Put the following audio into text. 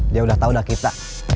dia udah tahu dah kita